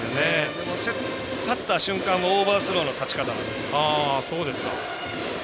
でも立った瞬間はオーバースローの立ち方なんです。